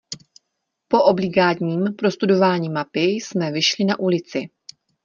Po obligádním prostudování mapy jsme vyšli na ulici.